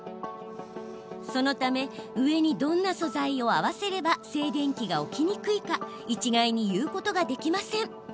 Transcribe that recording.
そのため、上にどんな素材を合わせれば静電気が起きにくいか一概に言うことができません。